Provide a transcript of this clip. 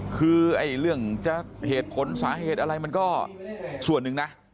คือเรื่องจะเหตุผลสาเหตุอะไรมันก็ส่วนหนึ่งนะ